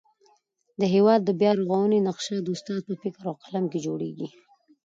د هېواد د بیارغونې نقشه د استاد په فکر او قلم کي جوړېږي.